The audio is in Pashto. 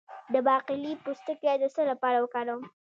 د باقلي پوستکی د څه لپاره وکاروم؟